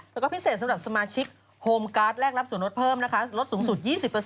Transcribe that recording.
แล้วก็พิเศษสำหรับสมาชิกโฮมการ์ดแลกรับส่วนลดเพิ่มนะคะลดสูงสุด๒๐